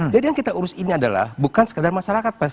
jadi yang kita urusin adalah bukan sekedar masyarakat pers